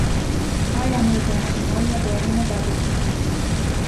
Aiamööbel on Sinu aia tõeline pärl!